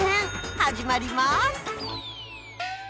始まります！